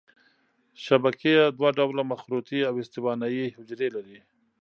شبکیه دوه ډوله مخروطي او استوانه یي حجرې لري.